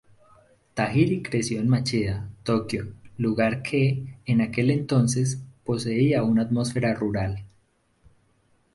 Tajiri creció en Machida, Tokio, lugar que, en aquel entonces, poseía una atmósfera rural.